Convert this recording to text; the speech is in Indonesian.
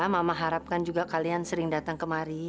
mama harapkan juga kalian sering datang kemari